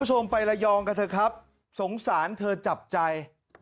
คุณผู้ชมไประยองกันเถอะครับสงสารเธอจับใจ